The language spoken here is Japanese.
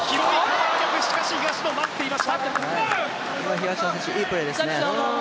東野選手、いいプレーですね